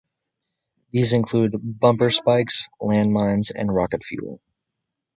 These include bumper spikes, land mines and rocket fuel.